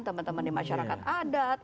teman teman di masyarakat adat